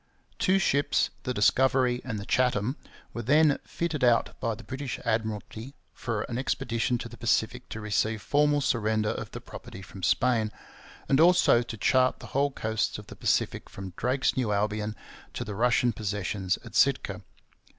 Two ships, the Discovery and the Chatham, were then fitted out by the British Admiralty for an expedition to the Pacific to receive formal surrender of the property from Spain, and also to chart the whole coast of the Pacific from Drake's New Albion to the Russian possessions at Sitka.